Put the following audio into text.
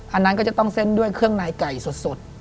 อันนั้นก็จะต้องเส้นด้วยเครื่องในไก่สด